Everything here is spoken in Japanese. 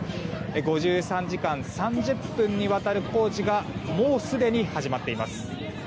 ５３時間３０分にわたる工事がもうすでに始まっています。